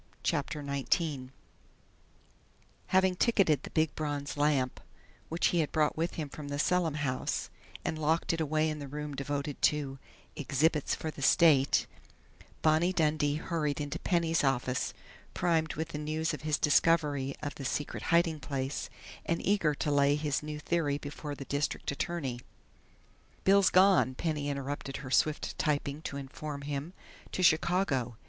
CHAPTER NINETEEN Having ticketed the big bronze lamp, which he had brought with him from the Selim house, and locked it away in the room devoted to "exhibits for the state," Bonnie Dundee hurried into Penny's office, primed with the news of his discovery of the secret hiding place and eager to lay his new theory before the district attorney. "Bill's gone," Penny interrupted her swift typing to inform him. "To Chicago.